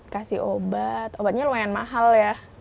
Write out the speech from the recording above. kasih obat obatnya lumayan mahal ya